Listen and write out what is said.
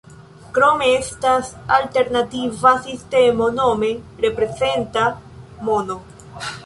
Krome estas alternativa sistemo nome reprezenta mono.